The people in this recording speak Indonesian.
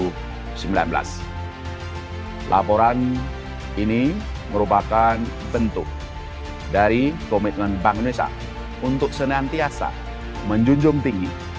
hai laporan ini merupakan bentuk dari komitmen bank indonesia untuk senantiasa menjunjung tinggi